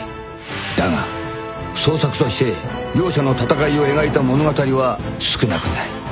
［だが創作として両者の戦いを描いた物語は少なくない］